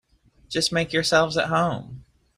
Just make yourselves at home.